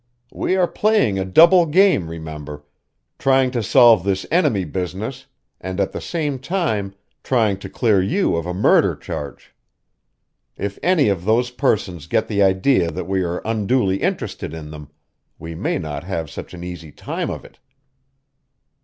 "We are playing a double game, remember trying to solve this enemy business, and at the same time trying to clear you of a murder charge. If any of those persons get the idea that we are unduly interested in them, we may not have such an easy time of it."